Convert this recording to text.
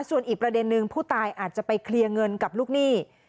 ส่วนอีกประเด็นนึงผู้ตายอาจจะไปเคลียร์เงินกับลูกหนี้